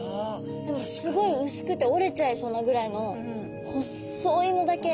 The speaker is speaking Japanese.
でもすごい薄くて折れちゃいそうなぐらいのほっそいのだけ。